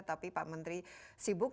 tapi pak menteri sibuk